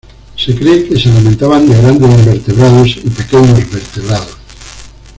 Se cree que se alimentaban de grandes invertebrados y pequeños vertebrados.